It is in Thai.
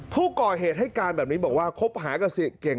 ผู้ก่อเหตุให้การแบบนี้บอกว่าคบหากับเสียเก่ง